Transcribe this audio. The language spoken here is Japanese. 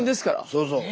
そうそう。